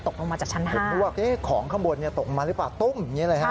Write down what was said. ตกลงมาจากชั้น๕นึกว่าของข้างบนตกมาหรือเปล่าตุ้มอย่างนี้เลยฮะ